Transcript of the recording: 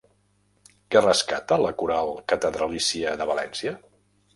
Què rescata la Coral Catedralícia de València?